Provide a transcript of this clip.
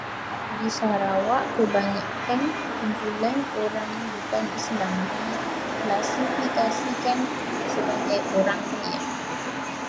Di Sarawak, kebanyakan kumpulan orang bukan Islam diklasifikasikan sebagai orang Dayak.